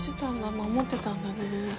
守ってたんだね。